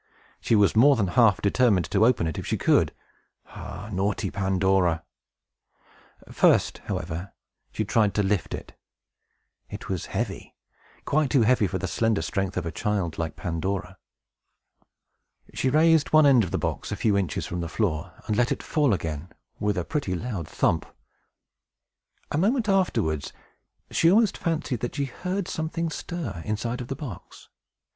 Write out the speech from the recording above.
She was more than half determined to open it, if she could. Ah, naughty Pandora! First, however, she tried to lift it. It was heavy; quite too heavy for the slender strength of a child, like Pandora. She raised one end of the box a few inches from the floor, and let it fall again, with a pretty loud thump. A moment afterwards, she almost fancied that she heard something stir inside of the box.